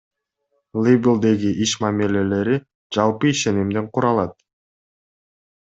Лейблдеги иш мамилелери жалпы ишенимден куралат.